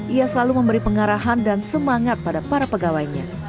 ia selalu memberi pengarahan dan semangat pada para pegawainya